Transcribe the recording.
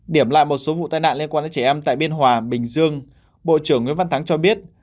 điểm lại một số vụ tai nạn liên quan đến trẻ em tại biên hòa bình dương bộ trưởng nguyễn văn thắng cho biết